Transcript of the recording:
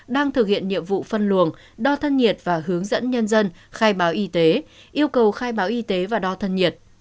đang thực hiện nhiệm vụ phân luồng đo thân nhiệt và hướng dẫn nhân dân khai báo y tế yêu cầu khai báo y tế và đo thân nhiệt